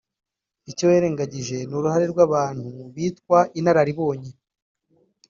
Icyo wirengangije n’uruhare rw’abantu bitwa (inararibonye